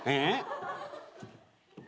えっ？